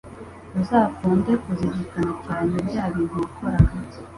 uzakunde kuzirikana cyane bya bintu wakoraga